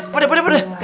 pak deh pak deh pak deh